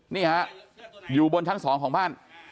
นี่ฮะอยู่บนชั้น๒ของบ้าน